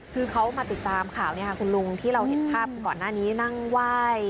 คือเขามาติดตามข่าวคุณลุงที่เราเห็นภาพก่อนหน้านี้นั่งไหว้